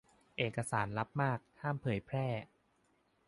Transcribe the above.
เอกสารลับมาก ห้ามเผยแพร่